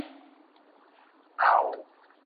کوربه هیواد د چاپیریال ساتنې هوکړه نه ماتوي.